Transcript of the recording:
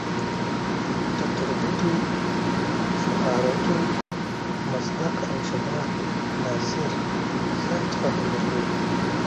ده تر بوټو، سوهارتو، مصدق او جمال ناصر زیات فهم درلود.